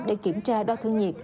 để kiểm tra đo thương nhiệt